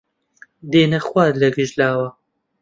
دێنە خوار لە گشت لاوە